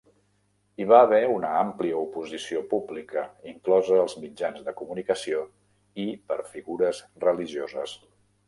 Hi va haver una àmplia oposició pública, inclosa als mitjans de comunicació i per figures religioses.